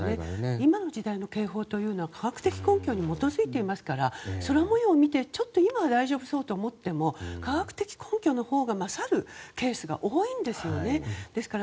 今の時代の警報というのは科学的根拠に基づいていますから空模様を見て今は大丈夫そうと思っても科学的根拠のほうが勝るケースが多いんですよね。